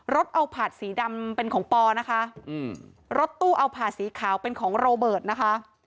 เอาผาดสีดำเป็นของปอนะคะอืมรถตู้เอาผาดสีขาวเป็นของโรเบิร์ตนะคะ